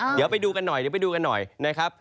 เดี๋ยวไปดูกันหน่อยนะครับ